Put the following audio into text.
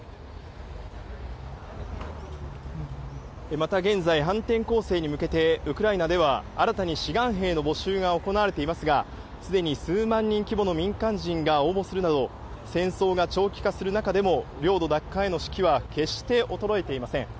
また現在、反転攻勢に向けてウクライナでは新たに志願兵の募集が行われていますがすでに数万人規模の民間人が応募するなど戦争が長期化する中でも領土奪還への士気は決して衰えていません。